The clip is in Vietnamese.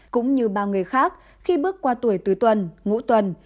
cũng như ba người khác khi bước qua tuổi tứ tuần ngũ tuần